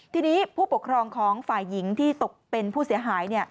ทีนี้ผู้ปกครองของฝ่ายหญิงที่ตกเป็นผู้เสียหาย